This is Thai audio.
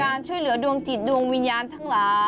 ช่วยเหลือดวงจิตดวงวิญญาณทั้งหลาย